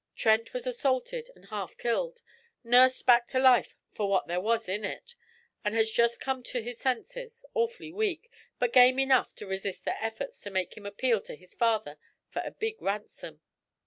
Trent was assaulted and half killed, nursed back to life for what there was in it, and has just come to his senses, awfully weak, but game enough to resist their efforts to make him appeal to his father for a big ransom.